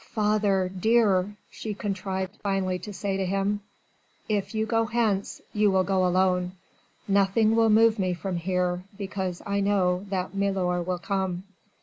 "Father dear," she contrived finally to say to him, "if you go hence, you will go alone. Nothing will move me from here, because I know that milor will come."